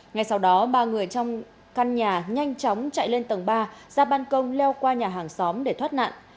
ngay sau đó ba người trong căn nhà nhanh chóng chạy lên tầng ba ra ban công leo qua nhà hàng xóm để thoát nạn